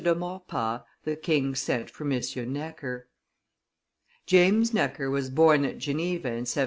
de Maurepas, the king sent for M. Necker. James Necker was born at Geneva in 1732.